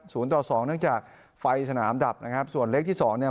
ต่อสองเนื่องจากไฟสนามดับนะครับส่วนเล็กที่สองเนี่ย